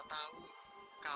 kita tidak akan pernah tahu